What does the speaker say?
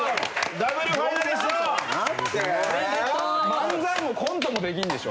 漫才もコントもできるんでしょ？